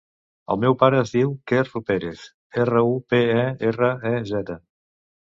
El meu pare es diu Quer Ruperez: erra, u, pe, e, erra, e, zeta.